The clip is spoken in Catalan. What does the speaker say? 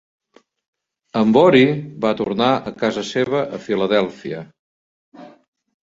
En Borie va tornar a casa seva a Filadèlfia.